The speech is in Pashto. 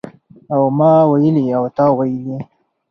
او د ما ویلي او تا ویلي